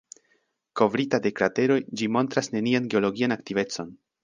Kovrita de krateroj, ĝi montras nenian geologian aktivecon.